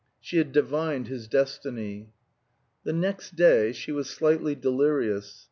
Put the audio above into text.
She had divined his destiny. The next day she was slightly delirious.